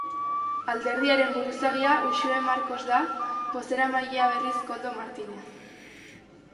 Alderdiaren buruzagia Uxue Barkos da, bozeramailea berriz Koldo Martinez.